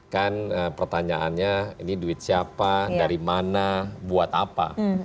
kan pertanyaannya ini duit siapa dari mana buat apa